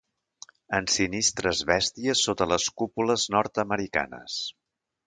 Ensinistres bèsties sotes les cúpules nord-americanes.